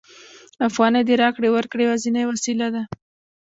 افغانۍ د راکړې ورکړې یوازینۍ وسیله ده